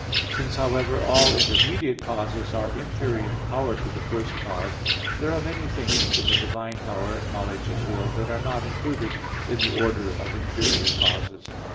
Since however all intermediate causes are inferior in power to the first cause, there are many things in the divine power, knowledge and will that are not included in the order of inferior causes.